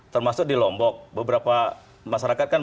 termasuk di lombok beberapa masyarakat kan